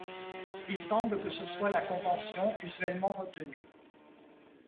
Il semble que ce soit la convention usuellement retenue.